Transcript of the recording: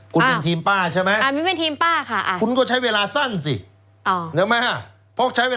คุณเป็นทีมป้าใช่ไหม